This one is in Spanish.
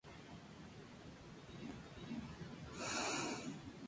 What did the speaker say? Comparada con otras lenguas románicas el italiano es altamente conservador en fonología.